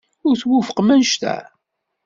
Ur twufqem anect-a?